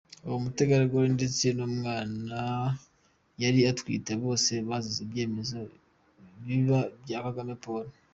Uwo mutegarugori, ndetse n’umwana yari atwite, bose bazize ibyemezo bibi bya Kagame Paul.